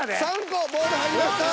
３個ボール入りました。